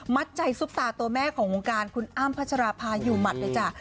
ใจซุปตาตัวแม่ของวงการคุณอ้ำพัชราภาอยู่หมัดเลยจ้ะ